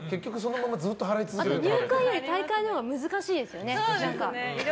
あと入会より退会のほうが難しいですよね。